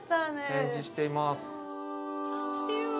展示しています。